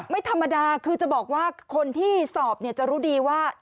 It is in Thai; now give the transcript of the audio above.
ไม่ธรรมดาคือจะบอกว่าคนที่สอบจะรู้ดีว่า